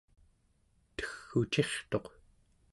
tegg'ucirtuq